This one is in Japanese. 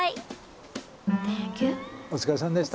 お疲れさんでした。